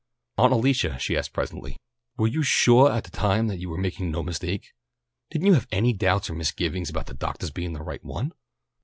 "Aunt Alicia," she asked presently, "were you suah at the time that you were making no mistake? Didn't you have any doubts or misgivings about the doctah's being the right one?"